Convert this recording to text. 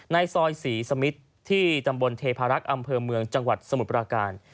ในซอยศรีสมิทที่ตำบลเทพารักษ์อำเภอเมืองจังหวัดสมุทรปราการ